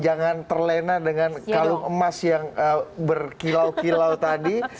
jangan terlena dengan kalung emas yang berkilau kilau tadi